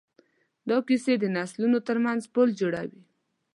دا کیسې د نسلونو ترمنځ پل جوړوي.